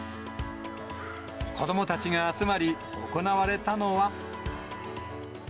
子どもたちが集まり、行われたのは。